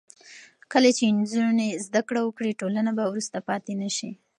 کله چې نجونې زده کړه وکړي، ټولنه به وروسته پاتې نه شي.